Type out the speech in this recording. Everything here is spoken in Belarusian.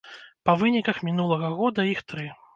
Па выніках мінулага года іх тры.